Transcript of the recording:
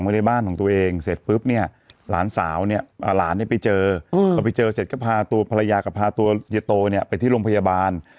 ไปที่โรงพยาบาลหลานสาวหลานไปเจอไปเจอเสร็จก็พาตัวภรรยากับป่าตัวเย็ดโตเนี่ยไปที่โรงพยาบาล